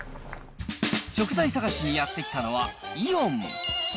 食材探しにやって来たのは、イオン。